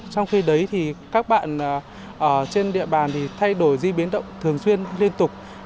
trong khi đấy thì các bạn ở trên địa bàn thì thay đổi di biến động thường xuyên liên tục